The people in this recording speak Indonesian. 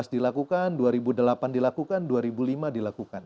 dua ribu tiga belas dilakukan dua ribu delapan dilakukan dua ribu lima dilakukan